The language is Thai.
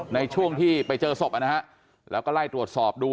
ในช่วงที่ไปเจอศพนะฮะแล้วก็ไล่ตรวจสอบดู